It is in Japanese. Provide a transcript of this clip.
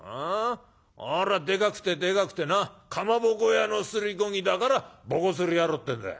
あれはでかくてでかくてなかまぼこ屋のすりこ木だからぼこすり野郎ってんだよ。